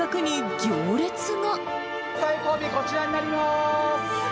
最後尾、こちらになります。